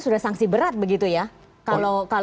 sudah sanksi berat begitu ya kalau